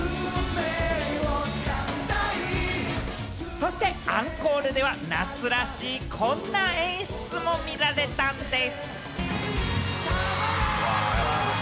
そしてアンコールでは、夏らしいこんな演出も見られたんでぃす。